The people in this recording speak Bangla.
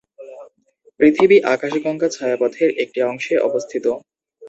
পৃথিবী আকাশগঙ্গা ছায়াপথের একটি অংশে অবস্থিত।